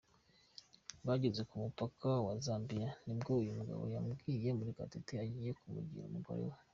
Bageze ku mupaka wa Zambia nibwo uyu mugabo yabwiye Murekatete agiye kumugira umugore we.